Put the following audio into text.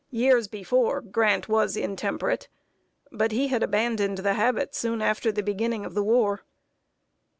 Years before, Grant was intemperate; but he had abandoned the habit soon after the beginning of the war.